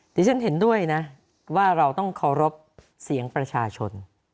ที่ฉันเห็นด้วยนะว่าเราต้องเคารพเสียงประชาชน